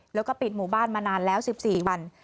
แล้วก็ปิดหมู่บ้านมานานแล้ว๑๔วัน